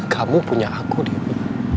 kamu punya aku dewi